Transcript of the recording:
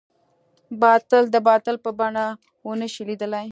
باطل د باطل په بڼه ونه شي ليدلی.